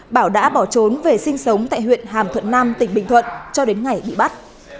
bảo đã bỏ trốn về sinh sống tại huyện hàm thuận nam tỉnh bình thuận cho đến ngày bị bắt